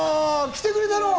来てくれたの？